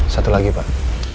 satu lagi pak